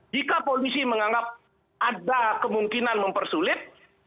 jika polisi menganggap ada kemungkinan mempersulit